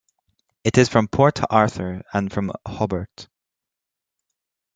It is from Port Arthur, and from Hobart.